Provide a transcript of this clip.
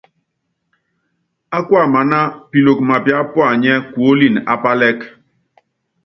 Á buiamaná, Piloko mápiá puanyɛ́ kuólín á pálɛ́k.